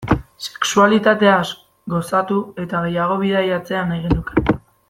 Sexualitateaz gozatu eta gehiago bidaiatzea nahi genuke.